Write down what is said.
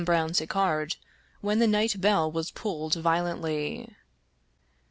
Brown Sequard, when the night bell was pulled violently.